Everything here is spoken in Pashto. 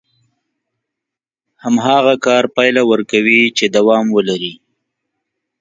هماغه کار پايله ورکوي چې دوام ولري.